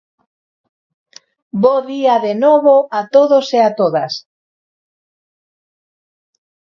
Bo día, de novo, a todos e a todas.